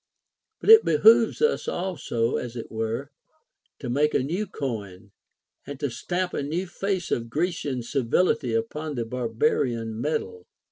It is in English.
But it behooves us also, as it were, to make a new coin, and to stamp a new face of Grecian civility upon the barbarian metal."